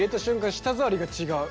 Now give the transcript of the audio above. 舌触りが違う。